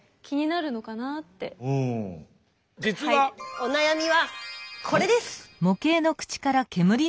お悩みはこれです！